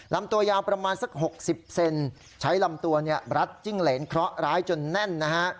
ลำตัวยาวประมาณสัก๖๐เซนใช้ลำตัวรัดจิ้งเหรนเคราะห์ร้ายจนแน่นนะฮะ